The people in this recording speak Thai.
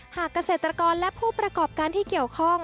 หากเกษตรกรและผู้ประกอบการที่เกี่ยวข้อง